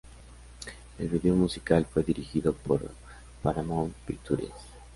El video musical fue dirigido por Paramount Pictures.